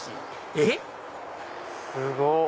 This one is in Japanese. えっ⁉すごっ！